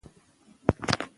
زه فکر کوم موضوع طبیعي نده.